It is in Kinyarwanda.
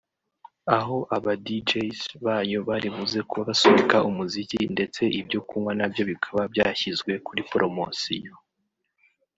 aho aba Djz bayo bari buze kuba basunika umuziki ndetse ibyo kunywa nabyo bikaba byashyizwe kuri poromosiyo